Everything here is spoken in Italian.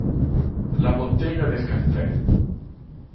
La bottega del caffè